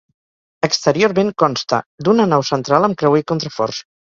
Exteriorment consta d'una nau central amb creuer i contraforts.